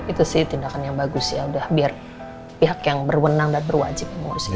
itu sih tindakan yang bagus ya udah biar pihak yang berwenang dan berwajib mengurus ini